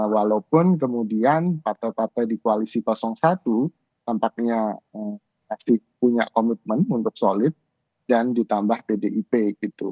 walaupun kemudian partai partai di koalisi satu tampaknya masih punya komitmen untuk solid dan ditambah pdip gitu